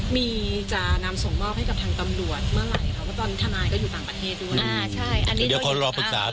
มีจะนำส่งบอกให้กับทางตำรวจเมื่อไหร่ครับ